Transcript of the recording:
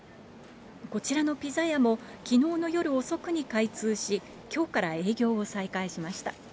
こちらのピザ屋も、きのうの夜遅くに開通し、きょうから営業を再開しました。